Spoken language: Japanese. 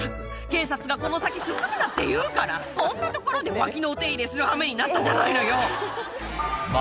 警察がこの先進むなっていうからこんな所で脇のお手入れする羽目になったじゃないのよ！